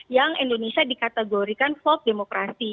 yang indonesia dikategorikan volt demokrasi